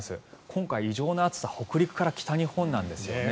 今回、異常な暑さ北陸から北日本なんですよね。